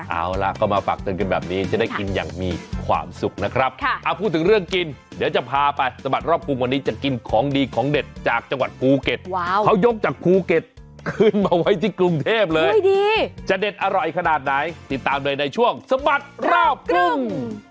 เอาล่ะก็มาฝากเตือนกันแบบนี้จะได้กินอย่างมีความสุขนะครับพูดถึงเรื่องกินเดี๋ยวจะพาไปสะบัดรอบกรุงวันนี้จะกินของดีของเด็ดจากจังหวัดภูเก็ตเขายกจากภูเก็ตขึ้นมาไว้ที่กรุงเทพเลยจะเด็ดอร่อยขนาดไหนติดตามเลยในช่วงสะบัดรอบครึ่ง